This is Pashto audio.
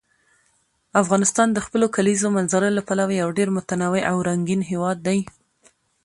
افغانستان د خپلو کلیزو منظره له پلوه یو ډېر متنوع او رنګین هېواد دی.